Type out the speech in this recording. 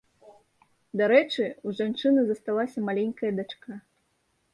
Дарэчы, у жанчыны засталася маленькая дачка.